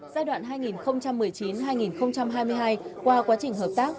giai đoạn hai nghìn một mươi chín hai nghìn hai mươi hai qua quá trình hợp tác